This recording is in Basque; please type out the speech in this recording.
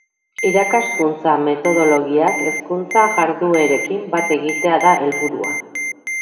Irakaskuntza metodologiak hezkuntza jarduerekin bat egitea da helburua.